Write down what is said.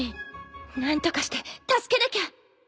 何とかして助けなきゃ！